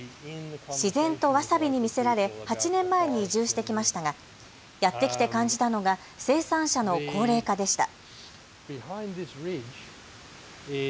自然とわさびに魅せられ８年前に移住してきましたがやって来て感じたのが生産者の高齢化でした。